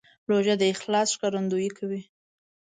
روژه د اخلاص ښکارندویي کوي.